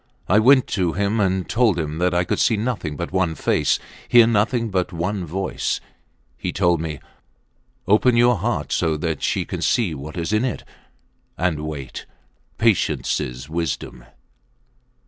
I went to him and told him that I could see nothing but one face, hear nothing but one voice. He told me: Open your heart so that she can see what is in it and wait. Patience is wisdom.